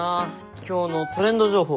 今日のトレンド情報。